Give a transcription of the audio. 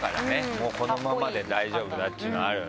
このままで大丈夫だっていうのはあるよね。